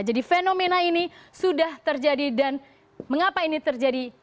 jadi fenomena ini sudah terjadi dan mengapa ini terjadi